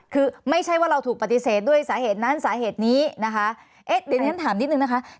คือไม่ใช่ว่าเราถูกปฏิเสธด้วยสาเหตุนั้นสาเหตุนี้นะคะเอ๊ะเดี๋ยวฉันถามนิดนึงนะคะ